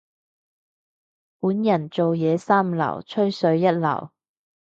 本人做嘢三流，吹水一流。